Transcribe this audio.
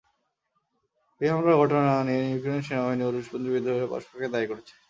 এই হামলার ঘটনা নিয়ে ইউক্রেনের সেনাবাহিনী ও রুশপন্থী বিদ্রোহীরা পরস্পরকে দায়ী করেছে।